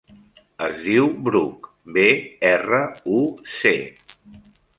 Es diu Bruc: be, erra, u, ce.